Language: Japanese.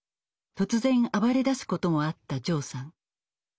突然暴れだすこともあったジョーさん。